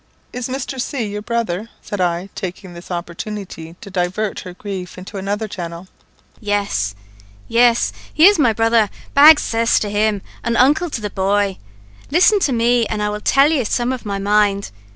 "Is Mr. C your brother?" said I, taking this opportunity to divert her grief into another channel. "Yes yes he is my brother, bad cess to him! and uncle to the bhoy. Listen to me, and I will tell you some of my mind.